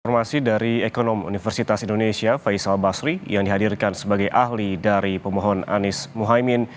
informasi dari ekonom universitas indonesia faisal basri yang dihadirkan sebagai ahli dari pemohon anies mohaimin